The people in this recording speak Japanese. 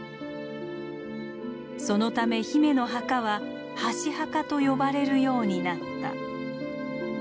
そのためヒメの墓は「箸墓」と呼ばれるようになった。